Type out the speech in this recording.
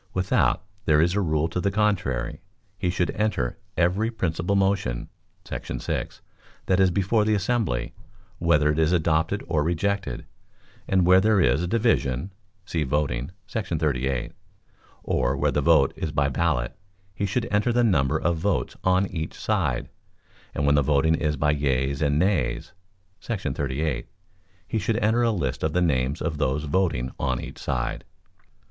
Without there is a rule to the contrary, he should enter every Principal motion [§ 6] that is before the assembly, whether it is adopted or rejected; and where there is a division [see Voting, § 38], or where the vote is by ballot, he should enter the number of votes on each side; and when the voting is by yeas and nays [§ 38], he should enter a list of the names of those voting on each side.